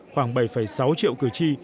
khoảng bảy sáu triệu cử tri